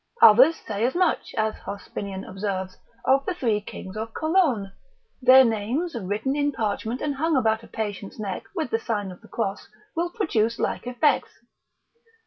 Others say as much (as Hospinian observes) of the three kings of Cologne; their names written in parchment, and hung about a patient's neck, with the sign of the cross, will produce like effects.